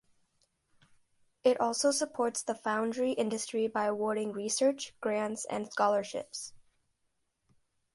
It also supports the foundry industry by awarding research grants and scholarships.